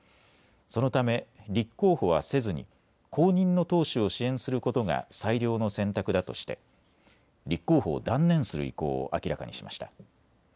そのため立候補はせずに後任の党首を支援することが最良の選択だとして立候補を断念する意向を明らかにしました。